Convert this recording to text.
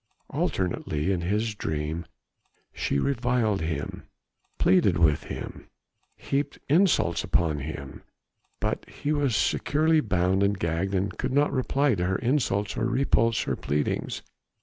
Alternately in his dream she reviled him, pleaded with him, heaped insults upon him, but he was securely bound and gagged and could not reply to her insults or repulse her pleadings.